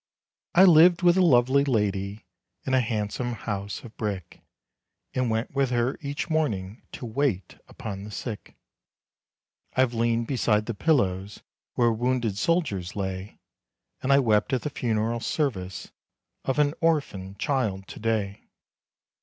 "I lived with a lovely lady, In a handsome house of brick, And went with her each morning, To wait upon the sick. "I've leaned beside the pillows, Where wounded soldiers lay, And I wept at the funeral service, Of an orphan child to day."